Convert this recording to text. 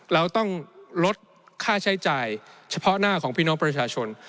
เราต้องลดค่าใช้จ่ายเฉพาะหน้าของพี่น้องประชาชน